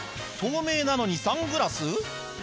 透明なのにサングラス？